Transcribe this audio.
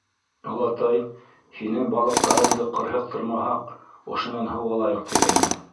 — Олатай, һинең балыҡтарыңды ҡырһыҡтырмаһаҡ, ошонан һыу алайыҡ тигәйнек.